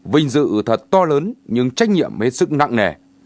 vinh dự thật to lớn nhưng trách nhiệm hết sức nặng nề